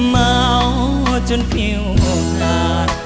เมาจนผิวห่วงกาด